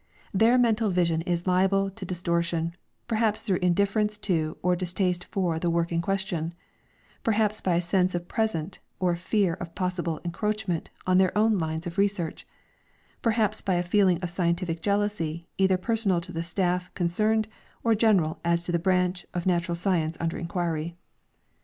Their mental vision is liable to dis tortion, perhaps through indifference to or distaste for the work in question ; perhaps by a sense of present or fear of possible encroachment on their own lines of research; perhaps by a feeling of scientific jealously, either personal to the staff con cerned or general as to the branch of natural science under inquiry.